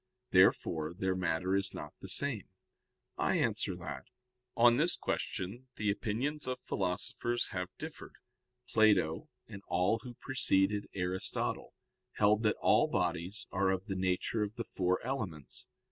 Therefore their matter is not the same. I answer that, On this question the opinions of philosophers have differed. Plato and all who preceded Aristotle held that all bodies are of the nature of the four elements.